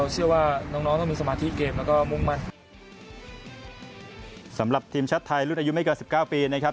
สำหรับทีมชัดไทยรุ่นอายุไม่เกิน๑๙ปีนะครับ